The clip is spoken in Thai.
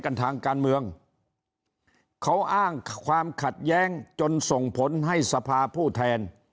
ทางการเมืองเขาอ้างความขัดแย้งจนส่งผลให้สภาผู้แทน